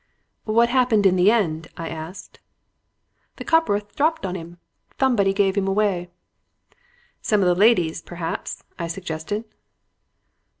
"'What happened in the end?' I asked. "'The copperth dropped on him. Thomebody gave him away.' "'Some of the ladies, perhaps,' I suggested.